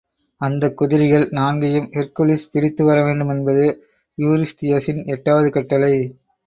அந்தக் குதிரைகள் நான்கையும் ஹெர்க்குலிஸ் பிடித்து வரவேண்டுமென்பது யூரிஸ்தியஸின் எட்டாவது கட்டளை.